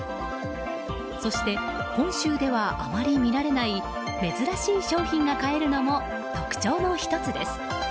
そして、本州ではあまり見られない珍しい商品が買えるのも特徴の１つです。